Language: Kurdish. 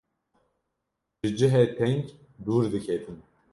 ji cihê teng dûr diketim.